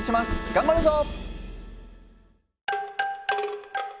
頑張るぞ！